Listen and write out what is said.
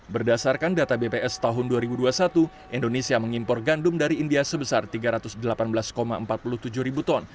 berdasarkan data bps tahun dua ribu dua puluh satu indonesia mengimpor gandum dari india sebesar tiga ratus delapan belas empat puluh tujuh ribu ton